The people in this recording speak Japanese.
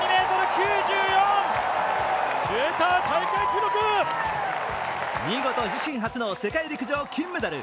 記録は見事、自身初の世界陸上金メダル。